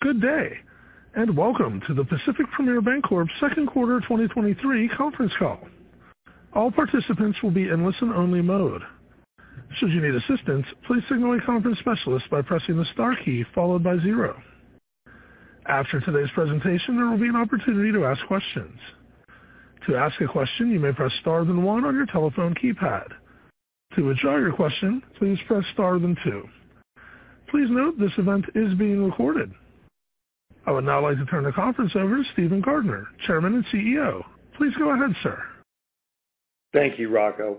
Good day, and welcome to the Pacific Premier Bancorp Second Quarter 2023 conference call. All participants will be in listen-only mode. Should you need assistance, please signal a conference specialist by pressing the star key followed by zero. After today's presentation, there will be an opportunity to ask questions. To ask a question, you may press star then one on your telephone keypad. To withdraw your question, please press star then two. Please note, this event is being recorded. I would now like to turn the conference over to Steven Gardner, Chairman and CEO. Please go ahead, sir. Thank you, Rocco.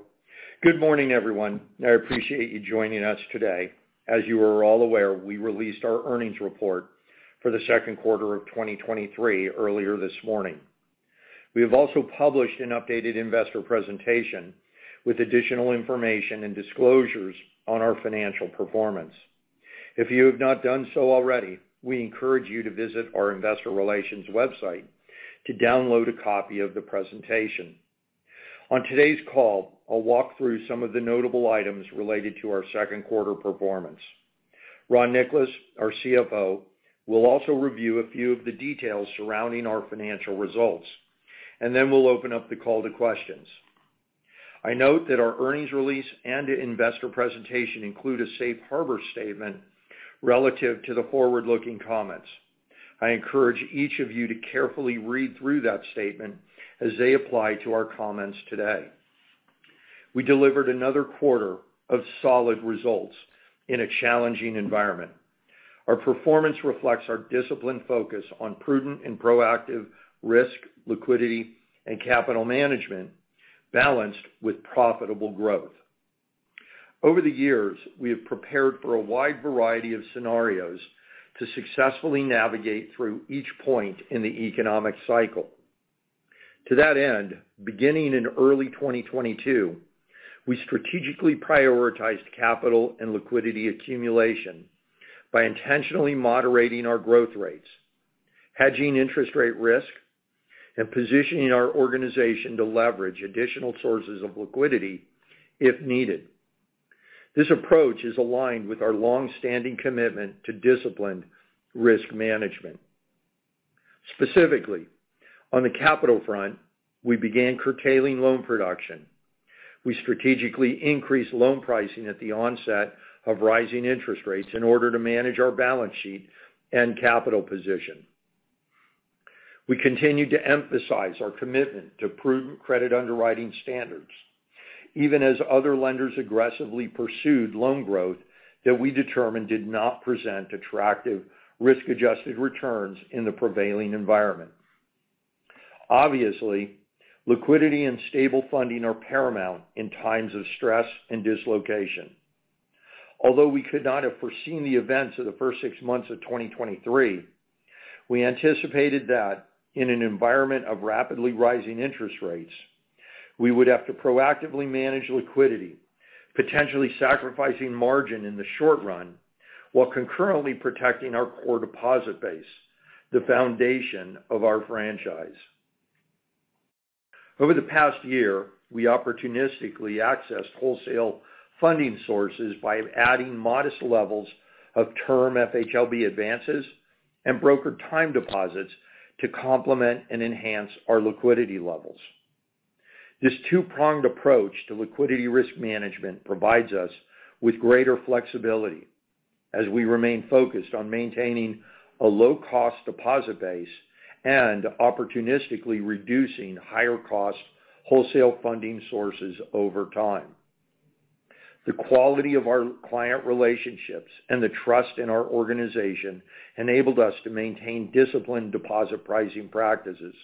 Good morning, everyone. I appreciate you joining us today. As you are all aware, we released our earnings report for the second quarter of 2023 earlier this morning. We have also published an updated investor presentation with additional information and disclosures on our financial performance. If you have not done so already, we encourage you to visit our investor relations website to download a copy of the presentation. On today's call, I'll walk through some of the notable items related to our second quarter performance. Ron Nicolas, our CFO, will also review a few of the details surrounding our financial results. Then we'll open up the call to questions. I note that our earnings release and investor presentation include a safe harbor statement relative to the forward-looking comments. I encourage each of you to carefully read through that statement as they apply to our comments today. We delivered another quarter of solid results in a challenging environment. Our performance reflects our disciplined focus on prudent and proactive risk, liquidity, and capital management, balanced with profitable growth. Over the years, we have prepared for a wide variety of scenarios to successfully navigate through each point in the economic cycle. To that end, beginning in early 2022, we strategically prioritized capital and liquidity accumulation by intentionally moderating our growth rates, hedging interest rate risk, and positioning our organization to leverage additional sources of liquidity if needed. This approach is aligned with our long-standing commitment to disciplined risk management. Specifically, on the capital front, we began curtailing loan production. We strategically increased loan pricing at the onset of rising interest rates in order to manage our balance sheet and capital position. We continued to emphasize our commitment to prudent credit underwriting standards, even as other lenders aggressively pursued loan growth that we determined did not present attractive risk-adjusted returns in the prevailing environment. Obviously, liquidity and stable funding are paramount in times of stress and dislocation. Although we could not have foreseen the events of the first six months of 2023, we anticipated that in an environment of rapidly rising interest rates, we would have to proactively manage liquidity, potentially sacrificing margin in the short run, while concurrently protecting our core deposit base, the foundation of our franchise. Over the past year, we opportunistically accessed wholesale funding sources by adding modest levels of term FHLB advances and brokered time deposits to complement and enhance our liquidity levels. This two-pronged approach to liquidity risk management provides us with greater flexibility as we remain focused on maintaining a low-cost deposit base and opportunistically reducing higher-cost wholesale funding sources over time. The quality of our client relationships and the trust in our organization enabled us to maintain disciplined deposit pricing practices.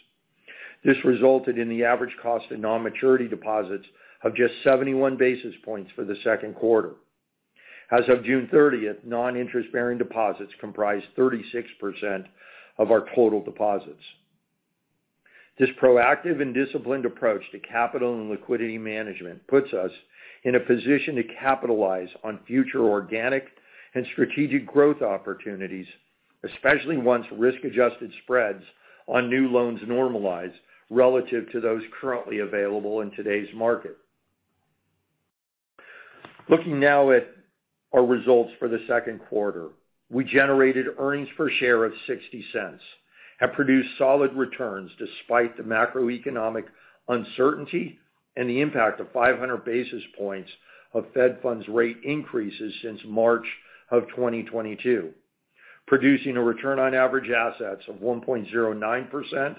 This resulted in the average cost of non-maturity deposits of just 71 basis points for the second quarter. As of June 30, non-interest-bearing deposits comprised 36% of our total deposits. This proactive and disciplined approach to capital and liquidity management puts us in a position to capitalize on future organic and strategic growth opportunities, especially once risk-adjusted spreads on new loans normalize relative to those currently available in today's market. Looking now at our results for the second quarter. We generated earnings per share of $0.60 and produced solid returns despite the macroeconomic uncertainty and the impact of 500 basis points of Fed funds rate increases since March 2022, producing a return on average assets of 1.09%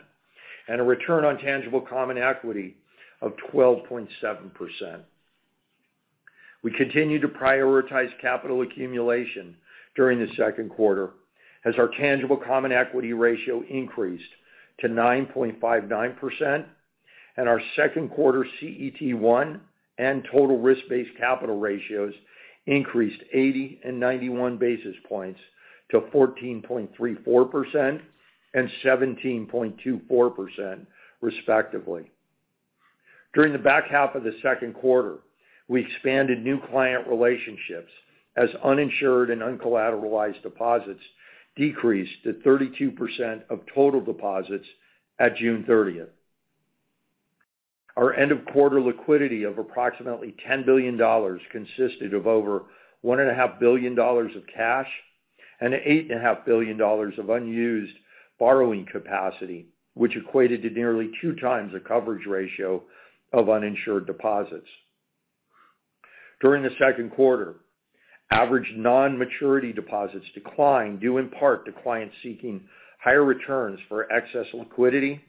and a return on tangible common equity of 12.7%. We continued to prioritize capital accumulation during the second quarter as our tangible common equity ratio increased to 9.59%, and our second quarter CET1 and total risk-based capital ratios increased 80 and 91 basis points to 14.34% and 17.24%, respectively. During the back half of the second quarter, we expanded new client relationships as uninsured and uncollateralized deposits decreased to 32% of total deposits at June 30. Our end of quarter liquidity of approximately $10 billion consisted of over $1.5 billion of cash and $8.5billion of unused borrowing capacity, which equated to nearly 2x the coverage ratio of uninsured deposits. During the second quarter, average non-maturity deposits declined, due in part to clients seeking higher returns for excess liquidity,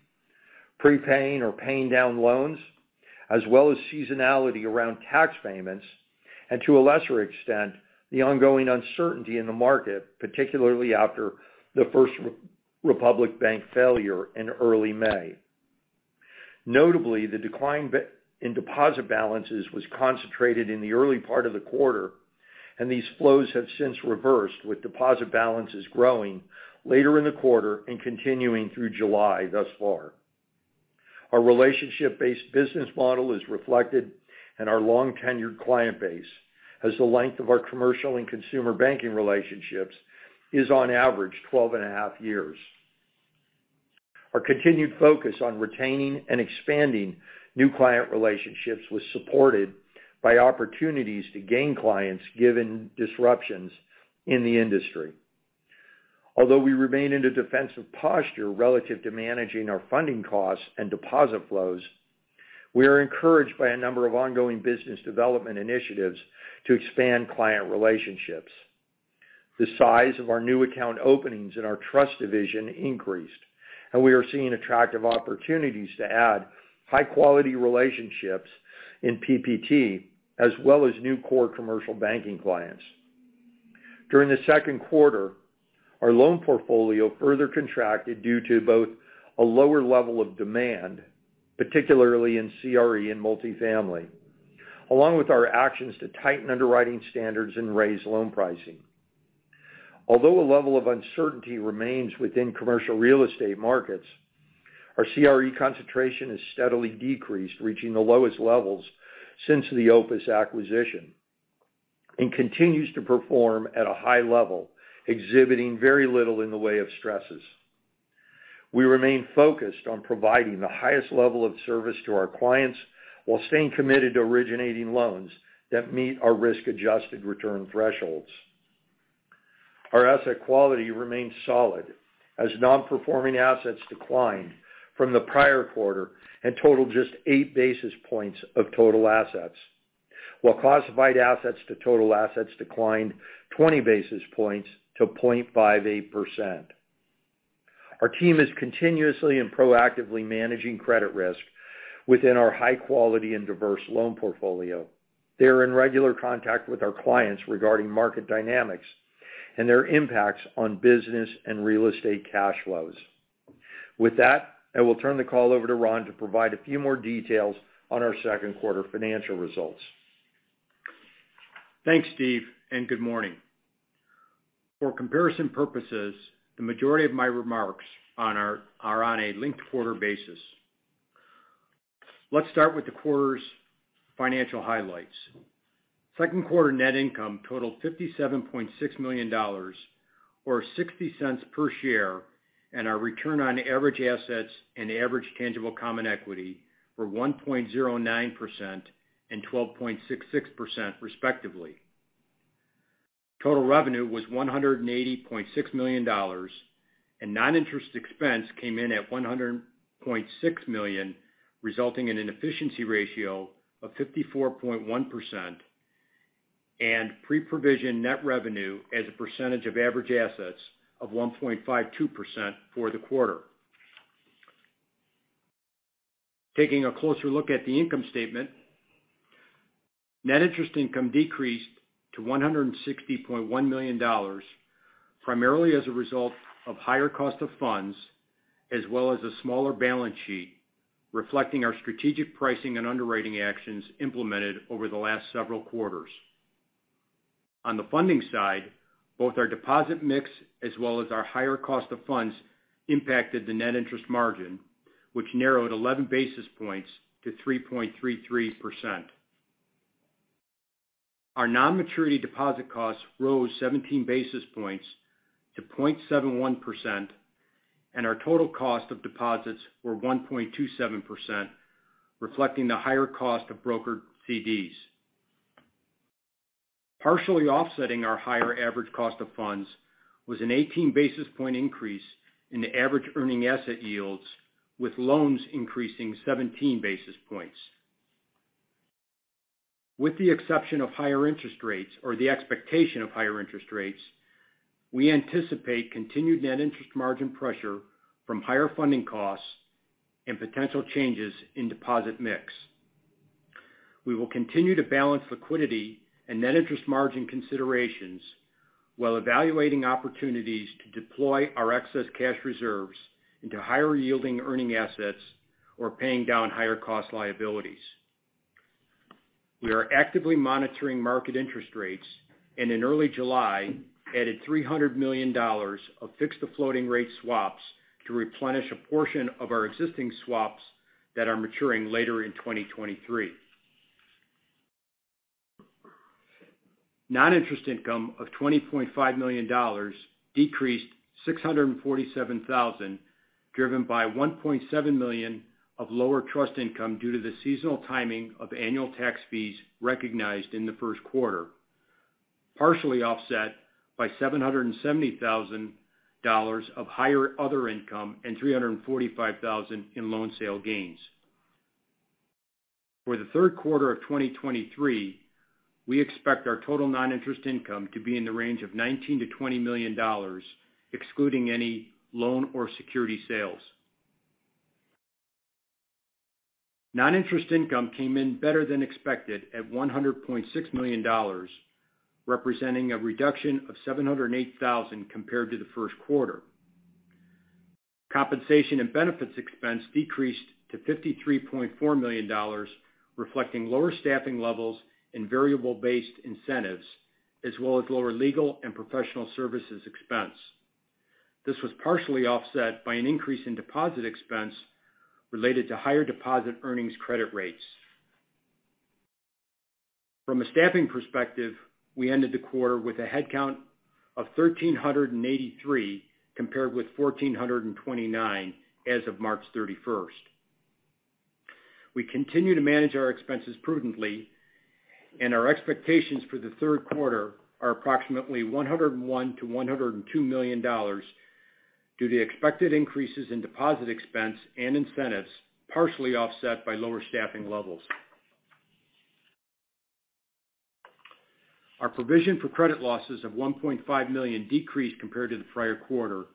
prepaying or paying down loans, as well as seasonality around tax payments, and to a lesser extent, the ongoing uncertainty in the market, particularly after the First Republic Bank failure in early May. Notably, the decline in deposit balances was concentrated in the early part of the quarter, and these flows have since reversed, with deposit balances growing later in the quarter and continuing through July thus far. Our relationship-based business model is reflected in our long-tenured client base, as the length of our commercial and consumer banking relationships is, on average, 12.5 years. Our continued focus on retaining and expanding new client relationships was supported by opportunities to gain clients, given disruptions in the industry. Although we remain in a defensive posture relative to managing our funding costs and deposit flows, we are encouraged by a number of ongoing business development initiatives to expand client relationships. The size of our new account openings in our trust division increased, and we are seeing attractive opportunities to add high-quality relationships in PPT, as well as new core commercial banking clients. During the second quarter, our loan portfolio further contracted due to both a lower level of demand, particularly in CRE and multifamily, along with our actions to tighten underwriting standards and raise loan pricing. Although a level of uncertainty remains within commercial real estate markets, our CRE concentration has steadily decreased, reaching the lowest levels since the Opus acquisition, and continues to perform at a high level, exhibiting very little in the way of stresses. We remain focused on providing the highest level of service to our clients, while staying committed to originating loans that meet our risk-adjusted return thresholds. Our asset quality remains solid, as non-performing assets declined from the prior quarter and totaled just eight basis points of total assets, while classified assets to total assets declined 20 basis points to 0.58%. Our team is continuously and proactively managing credit risk within our high quality and diverse loan portfolio. They are in regular contact with our clients regarding market dynamics and their impacts on business and real estate cash flows. With that, I will turn the call over to Ron to provide a few more details on our second quarter financial results. Thanks, Steve. Good morning. For comparison purposes, the majority of my remarks are on a linked quarter basis. Let's start with the quarter's financial highlights. Second quarter net income totaled $57.6 million, or $0.60 per share, and our return on average assets and average tangible common equity were 1.09% and 12.66% respectively. Total revenue was $180.6 million, and non-interest expense came in at $100.6 million, resulting in an efficiency ratio of 54.1% and pre-provision net revenue as a percentage of average assets of 1.52% for the quarter. Taking a closer look at the income statement, net interest income decreased to $160.1 million, primarily as a result of higher cost of funds, as well as a smaller balance sheet, reflecting our strategic pricing and underwriting actions implemented over the last several quarters. On the funding side, both our deposit mix as well as our higher cost of funds impacted the net interest margin, which narrowed 11 basis points to 3.33%. Our non-maturity deposit costs rose 17 basis points to 0.71%, and our total cost of deposits were 1.27%, reflecting the higher cost of brokered CDs. Partially offsetting our higher average cost of funds was an 18 basis point increase in the average earning asset yields, with loans increasing 17 basis points. With the exception of higher interest rates or the expectation of higher interest rates, we anticipate continued net interest margin pressure from higher funding costs and potential changes in deposit mix. We will continue to balance liquidity and net interest margin considerations while evaluating opportunities to deploy our excess cash reserves into higher-yielding earning assets or paying down higher cost liabilities. We are actively monitoring market interest rates, and in early July, added $300 million of fixed-to-floating rate swaps to replenish a portion of our existing swaps that are maturing later in 2023. Non-interest income of $20.5 million decreased $647,000, driven by $1.7 million of lower trust income due to the seasonal timing of annual tax fees recognized in the first quarter, partially offset by $770,000 of higher other income and $345,000 in loan sale gains. For the third quarter of 2023, we expect our total non-interest income to be in the range of $19 million-$20 million, excluding any loan or security sales. Non-interest income came in better than expected at $100.6 million, representing a reduction of $708,000compared to the first quarter. Compensation and benefits expense decreased to $53.4 million, reflecting lower staffing levels and variable-based incentives, as well as lower legal and professional services expense. This was partially offset by an increase in deposit expense related to higher deposit earnings credit rates. From a staffing perspective, we ended the quarter with a headcount of 1,383, compared with 1,429 as of March 31. We continue to manage our expenses prudently, and our expectations for the third quarter are approximately $101 million-$102 million due to expected increases in deposit expense and incentives, partially offset by lower staffing levels. Our provision for credit losses of $1.5 million decreased compared to the prior quarter,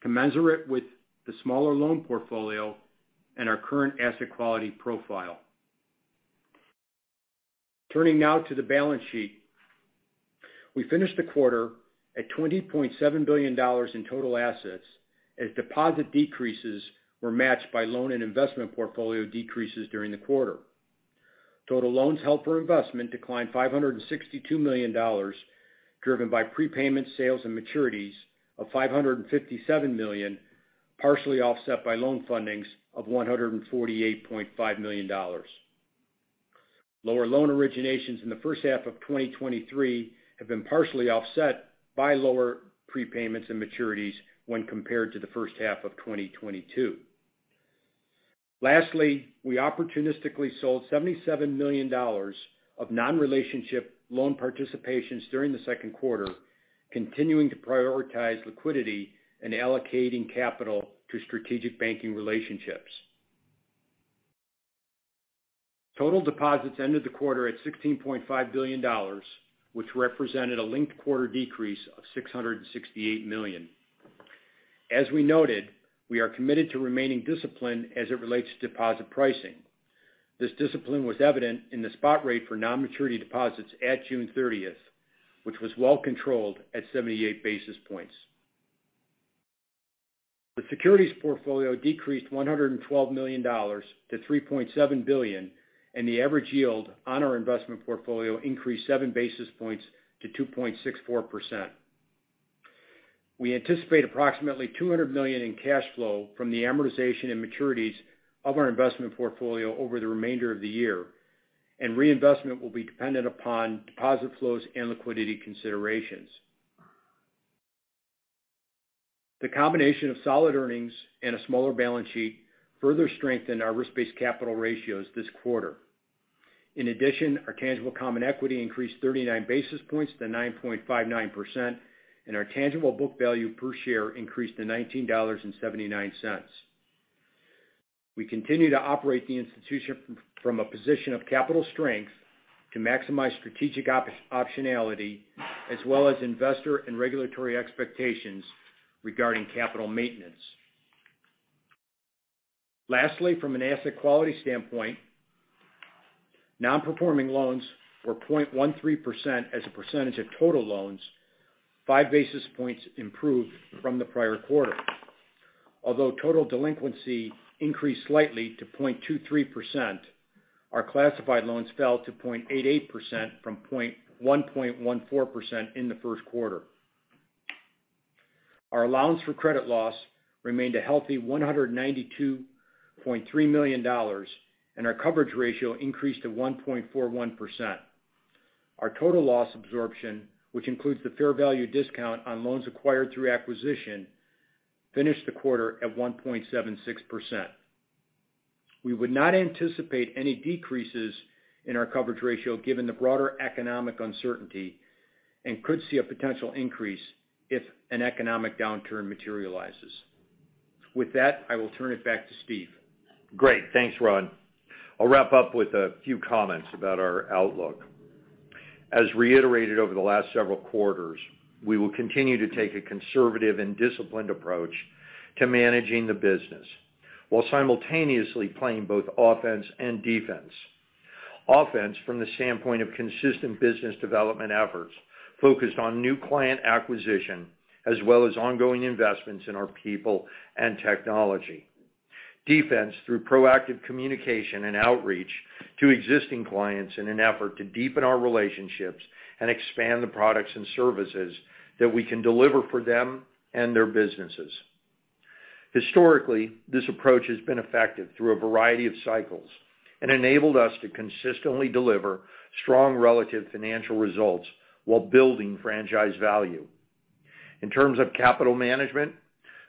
commensurate with the smaller loan portfolio and our current asset quality profile. Turning now to the balance sheet. We finished the quarter at $20.7 billion in total assets, as deposit decreases were matched by loan and investment portfolio decreases during the quarter. Total loans, held for investment declined $562 million, driven by prepayment sales and maturities of $557 million, partially offset by loan fundings of $148.5 million. Lower loan originations in the first half of 2023 have been partially offset by lower prepayments and maturities when compared to the first H1 of 2022. Lastly, we opportunistically sold $77 million of non-relationship loan participations during the second quarter, continuing to prioritize liquidity and allocating capital to strategic banking relationships. Total deposits ended the quarter at $16.5 billion, which represented a linked quarter decrease of $668 million. As we noted, we are committed to remaining disciplined as it relates to deposit pricing. This discipline was evident in the spot rate for non-maturity deposits at June 30, which was well controlled at 78 basis points. The securities portfolio decreased $112 million to $3.7 billion, and the average yield on our investment portfolio increased seven basis points to 2.64%. We anticipate approximately $200 million in cash flow from the amortization and maturities of our investment portfolio over the remainder of the year, and reinvestment will be dependent upon deposit flows and liquidity considerations. The combination of solid earnings and a smaller balance sheet further strengthened our risk-based capital ratios this quarter. In addition, our tangible common equity increased 39 basis points to 9.59%, and our tangible book value per share increased to $19.79. We continue to operate the institution from a position of capital strength to maximize strategic optionality as well as investor and regulatory expectations regarding capital maintenance. Lastly, from an asset quality standpoint, non-performing loans were 0.13% as a percentage of total loans, five basis points improved from the prior quarter. Although total delinquency increased slightly to 0.23%, our classified loans fell to 0.88% from 1.14% in the first quarter. Our allowance for credit loss remained a healthy $192.3 million, and our coverage ratio increased to 1.41%. Our total loss absorption, which includes the fair value discount on loans acquired through acquisition, finished the quarter at 1.76%. We would not anticipate any decreases in our coverage ratio given the broader economic uncertainty and could see a potential increase if an economic downturn materializes. With that, I will turn it back to Steve. Great. Thanks, Ron. I'll wrap up with a few comments about our outlook. As reiterated over the last several quarters, we will continue to take a conservative and disciplined approach to managing the business, while simultaneously playing both offense and defense. Offense, from the standpoint of consistent business development efforts, focused on new client acquisition, as well as ongoing investments in our people and technology. Defense, through proactive communication and outreach to existing clients in an effort to deepen our relationships and expand the products and services that we can deliver for them and their businesses. Historically, this approach has been effective through a variety of cycles and enabled us to consistently deliver strong relative financial results while building franchise value. In terms of capital management,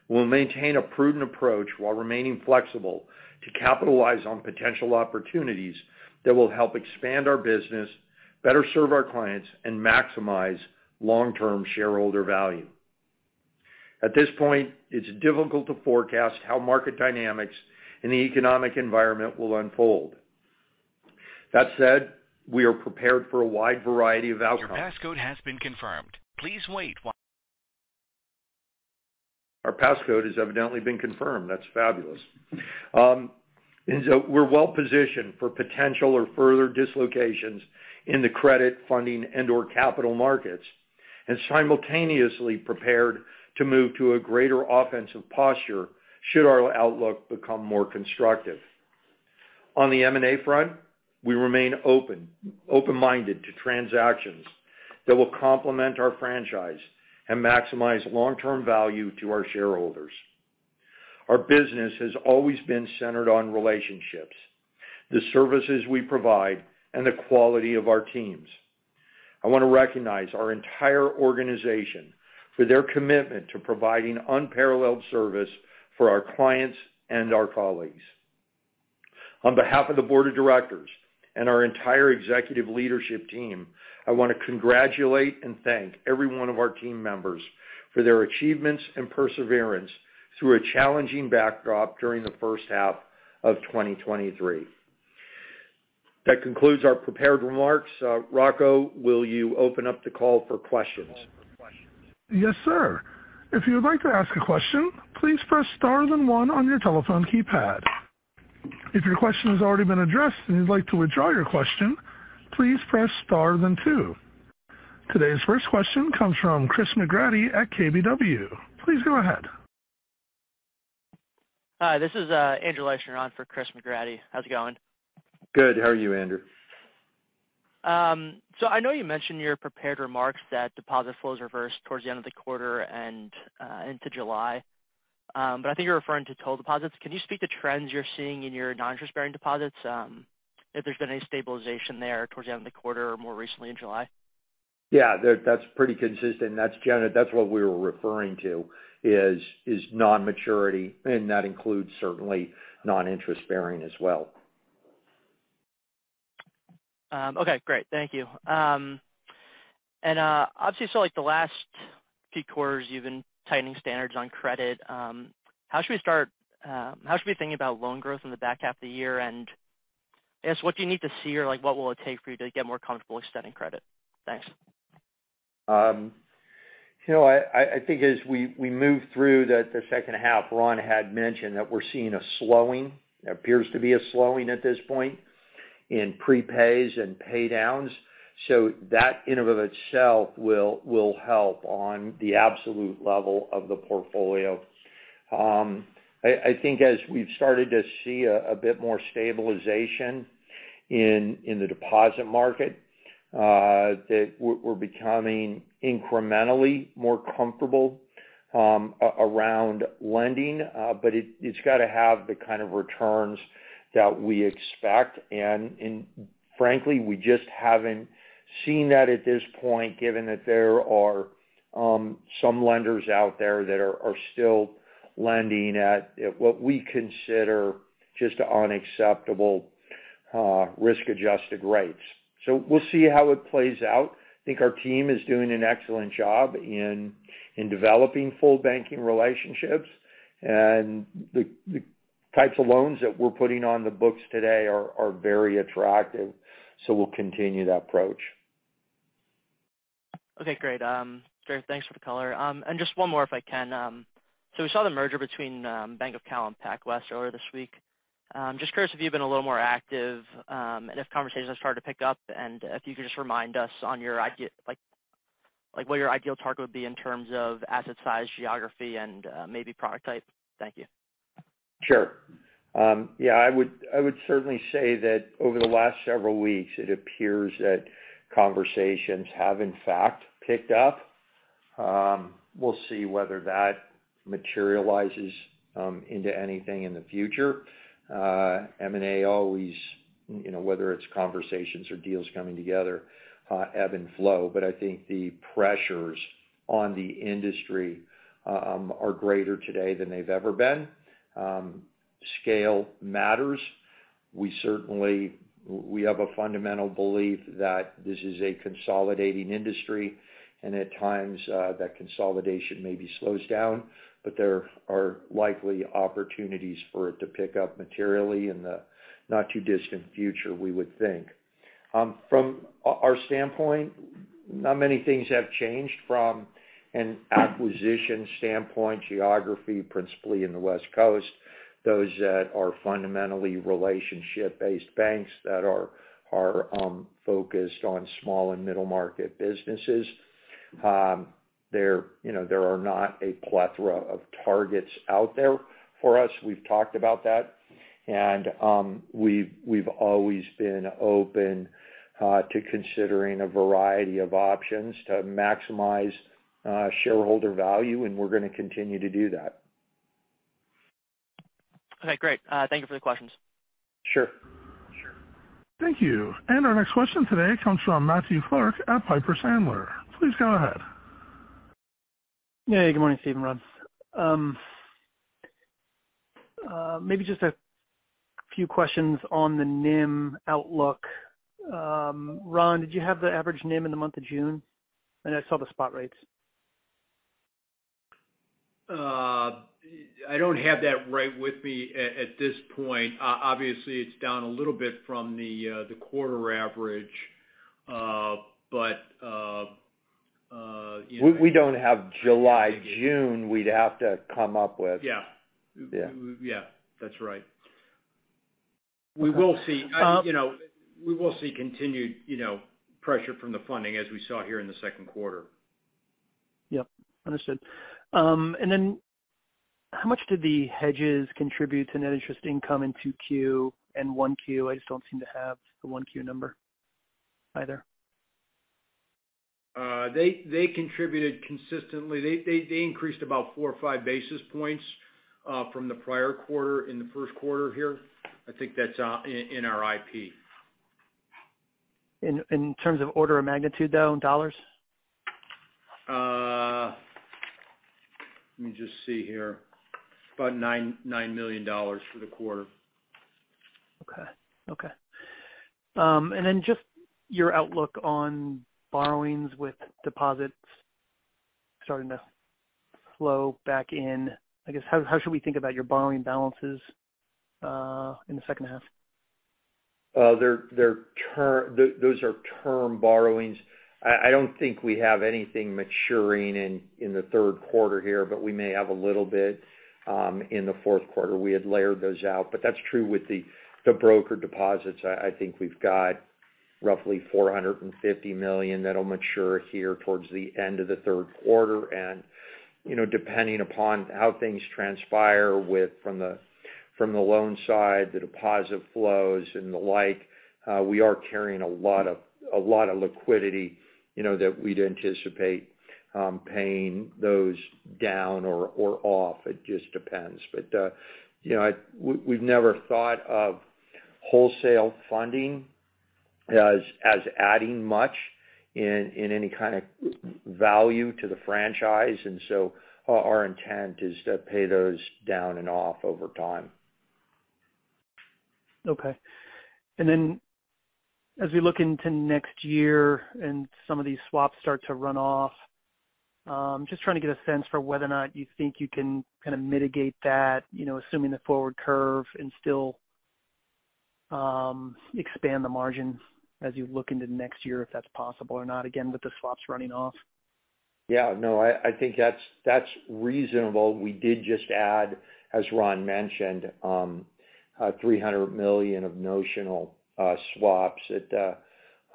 we'll maintain a prudent approach while remaining flexible to capitalize on potential opportunities that will help expand our business, better serve our clients, and maximize long-term shareholder value. At this point, it's difficult to forecast how market dynamics and the economic environment will unfold. That said, we are prepared for a wide variety of outcomes. Our passcode has evidently been confirmed. That's fabulous. We're well positioned for potential or further dislocations in the credit, funding, and/or capital markets, and simultaneously prepared to move to a greater offensive posture should our outlook become more constructive. On the M&A front, we remain open, open-minded to transactions that will complement our franchise and maximize long-term value to our shareholders. Our business has always been centered on relationships, the services we provide, and the quality of our teams. I want to recognize our entire organization for their commitment to providing unparalleled service for our clients and our colleagues. On behalf of the board of directors and our entire executive leadership team, I want to congratulate and thank every one of our team members for their achievements and perseverance through a challenging backdrop during the first half of 2023. That concludes our prepared remarks. Rocco, will you open up the call for questions? Yes, sir. If you would like to ask a question, please press star then one on your telephone keypad. If your question has already been addressed and you'd like to withdraw your question, please press star then two. Today's first question comes from Chris McGratty at KBW. Please go ahead. Hi, this is Andrew Leischner on for Chris McGratty. How's it going? Good. How are you, Andrew? I know you mentioned in your prepared remarks that deposit flows reversed towards the end of the quarter and into July. I think you're referring to total deposits. Can you speak to trends you're seeing in your non-interest-bearing deposits, if there's been any stabilization there towards the end of the quarter or more recently in July? Yeah, that, that's pretty consistent. That's what we were referring to, is non-maturity, and that includes certainly non-interest-bearing as well. Okay, great. Thank you. Obviously, so like the last few quarters, you've been tightening standards on credit. How should we start, how should we think about loan growth in the back half of the year? I guess, what do you need to see, or like what will it take for you to get more comfortable extending credit? Thanks. You know, I think as we move through the second half, Ron had mentioned that we're seeing a slowing. It appears to be a slowing at this point in prepays and pay downs. That in and of itself will help on the absolute level of the portfolio. I think as we've started to see a bit more stabilization in the deposit market, that we're becoming incrementally more comfortable around lending. It's got to have the kind of returns that we expect. Frankly, we just haven't seen that at this point, given that there are some lenders out there that are still lending at what we consider just unacceptable risk-adjusted rates. We'll see how it plays out. I think our team is doing an excellent job in developing full banking relationships, and the types of loans that we're putting on the books today are very attractive, so we'll continue that approach. Okay, great. Great, thanks for the color. Just one more, if I can. We saw the merger between Bank of Cal and PacWest earlier this week. Just curious if you've been a little more active, and if conversations have started to pick up, and if you could just remind us on your idea, like what your ideal target would be in terms of asset size, geography, and maybe product type. Thank you. Sure. I would certainly say that over the last several weeks, it appears that conversations have, in fact, picked up. We'll see whether that materializes into anything in the future. M&A always, you know, whether it's conversations or deals coming together, ebb and flow, but I think the pressures on the industry are greater today than they've ever been. Scale matters. We certainly have a fundamental belief that this is a consolidating industry, and at times, that consolidation maybe slows down, but there are likely opportunities for it to pick up materially in the not-too-distant future, we would think. From our standpoint, not many things have changed from an acquisition standpoint, geography, principally in the West Coast, those that are fundamentally relationship-based banks that are focused on small and middle-market businesses. There, you know, there are not a plethora of targets out there for us. We've talked about that. We've always been open to considering a variety of options to maximize shareholder value, and we're gonna continue to do that. Okay, great. Thank you for the questions. Sure. Sure. Thank you. Our next question today comes from Matthew Clark at Piper Sandler. Please go ahead. Hey, good morning, Steve and Ron. Maybe just a few questions on the NIM outlook. Ron, did you have the average NIM in the month of June? I saw the spot rates. I don't have that right with me at this point. Obviously, it's down a little bit from the quarter average, but you know. We don't have July. June, we'd have to come up with. Yeah. Yeah. Yeah, that's right. We will see... You know, we will see continued, you know, pressure from the funding as we saw here in the second quarter. Yep, understood. Then how much did the hedges contribute to net interest income in 2Q and 1Q? I just don't seem to have the 1Q number either. They contributed consistently. They increased about four or five basis points from the prior quarter in the first quarter here. I think that's in our IP. In terms of order of magnitude, though, in dollars? Let me just see here. About $9 million for the quarter. Okay. Okay. Then just your outlook on borrowings with deposits starting to flow back in. I guess, how should we think about your borrowing balances in the second half? Those are term borrowings. I don't think we have anything maturing in the third quarter here, but we may have a little bit in the fourth quarter. We had layered those out, but that's true with the broker deposits. I think we've got roughly $450 million that'll mature here towards the end of the third quarter. You know, depending upon how things transpire with, from the loan side, the deposit flows and the like, we are carrying a lot of liquidity, you know, that we'd anticipate paying those down or off. It just depends. You know, we've never thought of wholesale funding as, as adding much in, in any kind of value to the franchise, and so our, our intent is to pay those down and off over time. Okay. Then, as we look into next year and some of these swaps start to run off, just trying to get a sense for whether or not you think you can kind of mitigate that, you know, assuming the forward curve and still, expand the margins as you look into next year, if that's possible or not, again, with the swaps running off. Yeah. No, I, I think that's, that's reasonable. We did just add, as Ron mentioned, $300 million of notional swaps that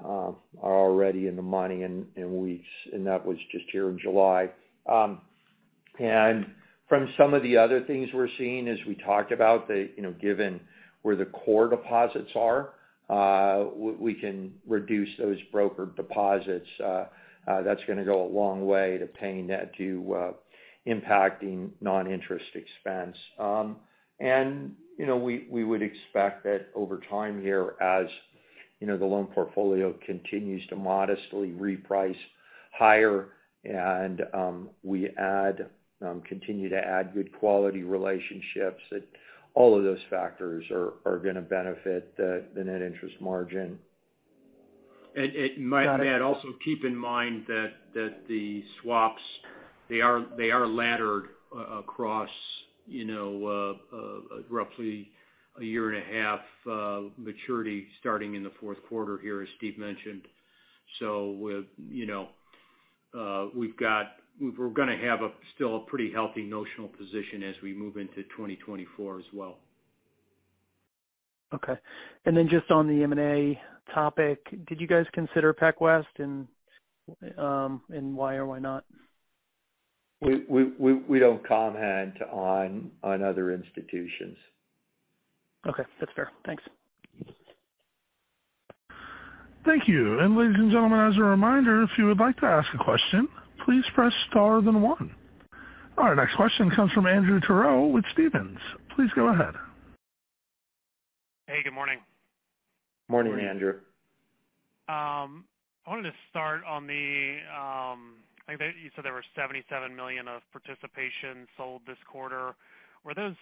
are already in the money and that was just here in July. From some of the other things we're seeing as we talked about, the, you know, given where the core deposits are, we, we can reduce those broker deposits. That's gonna go a long way to paying debt, to impacting non-interest expense. You know, we, we would expect that over time here, as, you know, the loan portfolio continues to modestly reprice higher and, we continue to add good quality relationships, that all of those factors are gonna benefit the net interest margin. Might I add, also, keep in mind that the swaps, they are laddered across, you know, roughly a year and a half maturity, starting in the fourth quarter here, as Steve mentioned. With, you know, we're gonna have a still a pretty healthy notional position as we move into 2024 as well. Okay. Then just on the M&A topic, did you guys consider PacWest and why or why not? We don't comment on other institutions. Okay, that's fair. Thanks. Thank you. Ladies and gentlemen, as a reminder, if you would like to ask a question, please press star then one. Our next question comes from Andrew Terrell with Stephens. Please go ahead. Hey, good morning. Morning, Andrew. I wanted to start on the, I think you said there were $77 million of participation sold this quarter. Were those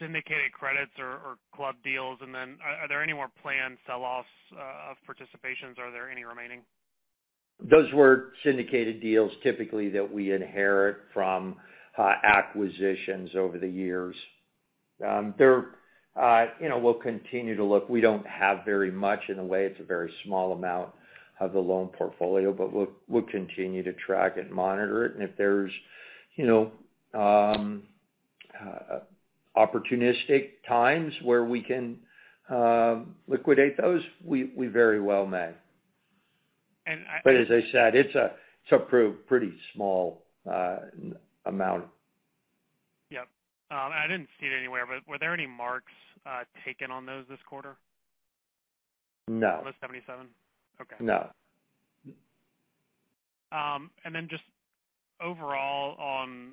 syndicated credits or club deals? Are there any more planned sell-offs of participations? Are there any remaining? Those were syndicated deals typically that we inherit from acquisitions over the years. There, you know, we'll continue to look. We don't have very much. In a way, it's a very small amount of the loan portfolio, but we'll, we'll continue to track and monitor it. If there's, you know, opportunistic times where we can liquidate those, we, we very well may. As I said, it's a, it's a pretty small amount. Yep. I didn't see it anywhere, but were there any marks, taken on those this quarter? No. On the 77? Okay. No. Just overall, on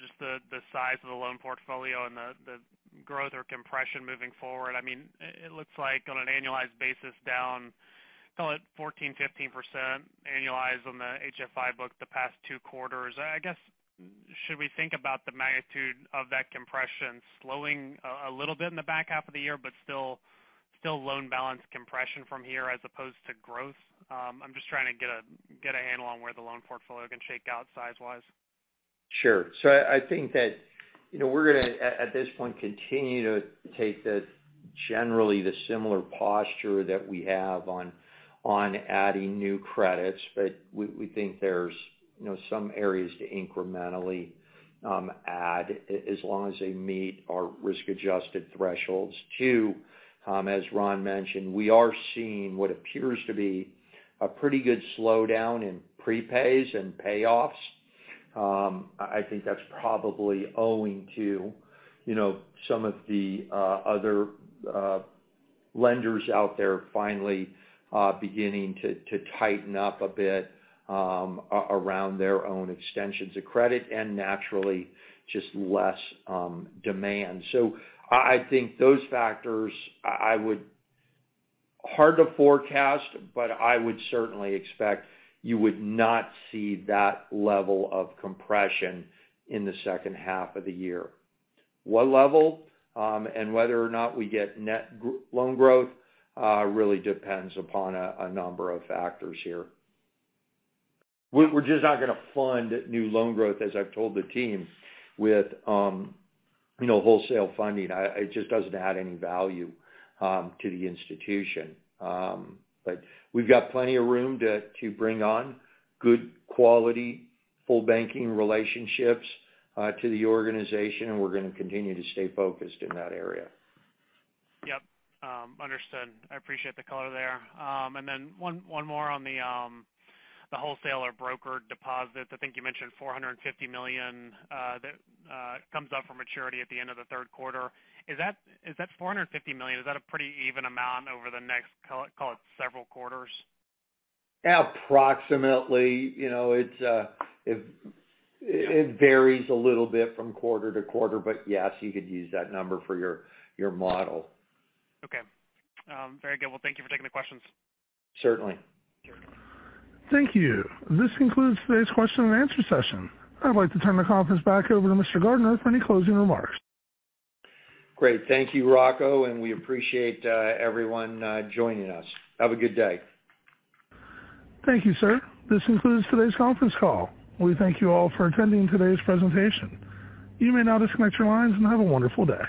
just the, the size of the loan portfolio and the, the growth or compression moving forward. I mean, it, it looks like on an annualized basis, down, call it 14%-15% annualized on the HFI book the past two quarters. I guess, should we think about the magnitude of that compression slowing a little bit in the back half of the year, but still loan balance compression from here as opposed to growth? I'm just trying to get a, get a handle on where the loan portfolio is gonna shake out size-wise. Sure. I think that, you know, we're gonna at this point continue to take the generally the similar posture that we have on adding new credits. We think there's, you know, some areas to incrementally add as long as they meet our risk-adjusted thresholds. Two, as Ron mentioned, we are seeing what appears to be a pretty good slowdown in prepays and payoffs. I think that's probably owing to, you know, some of the other lenders out there finally beginning to tighten up a bit around their own extensions of credit and naturally, just less demand. I think those factors, I would. Hard to forecast, but I would certainly expect you would not see that level of compression in the second half of the year. What level, and whether or not we get net loan growth, really depends upon a number of factors here. We're just not gonna fund new loan growth, as I've told the team, with, you know, wholesale funding. It just doesn't add any value to the institution. We've got plenty of room to bring on good quality, full banking relationships to the organization, and we're gonna continue to stay focused in that area. Yep, understood. I appreciate the color there. One more on the wholesale or brokered deposits. I think you mentioned $450 million, that comes up for maturity at the end of the third quarter. Is that $450 million, is that a pretty even amount over the next, call it several quarters? Approximately, you know, it's. Yeah. It varies a little bit from quarter to quarter, but yes, you could use that number for your, your model. Okay. Very good. Well, thank you for taking the questions. Certainly. Thank you. This concludes today's question and answer session. I'd like to turn the conference back over to Steven Gardner for any closing remarks. Great. Thank you, Rocco, and we appreciate, everyone, joining us. Have a good day. Thank you, sir. This concludes today's conference call. We thank you all for attending today's presentation. You may now disconnect your lines and have a wonderful day.